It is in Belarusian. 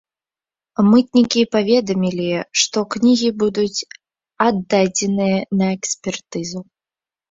Мытнікі паведамілі, што кнігі будуць аддадзеныя на экспертызу.